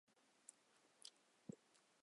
康奈尔大学计算机科学的一名教授。